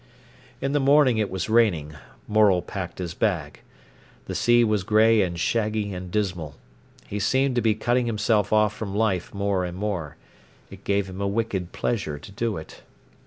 In the morning it was raining. Morel packed his bag. The sea was grey and shaggy and dismal. He seemed to be cutting himself off from life more and more. It gave him a wicked pleasure to do it.